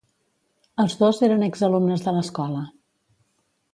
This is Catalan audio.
Els dos eren exalumnes de l'escola.